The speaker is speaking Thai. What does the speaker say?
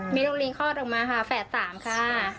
มีลูกลิงคลอดออกมาค่ะแฝดสามค่ะ